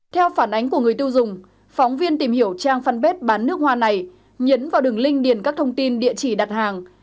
theo phản ánh của người tiêu dùng phóng viên tìm hiểu trang fanpage bán nước hoa này nhấn vào đường link điền các thông tin địa chỉ đặt hàng